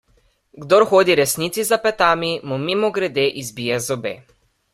Kdor hodi resnici za petami, mu mimogrede izbije zobe.